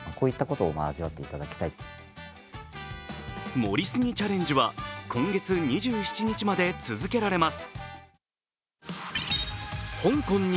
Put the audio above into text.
盛りすぎチャレンジは、今月２７日まで続けられます。